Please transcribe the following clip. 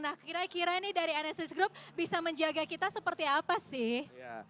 nah kira kira nih dari nsis group bisa menjaga kita seperti apa sih